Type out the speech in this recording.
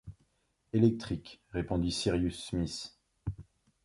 Électrique, répondit Cyrus Smith.